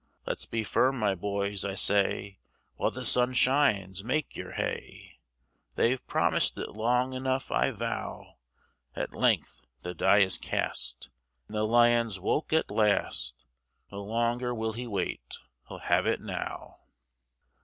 Let's be firm my boys, I say, While the sun shines make your hay, They've promis'd it long enough I vow. At length the die is cast, And the Lion's woke at last, No longer will he wait, he'll have it now.